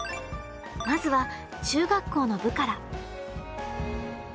まずは中学校の部から。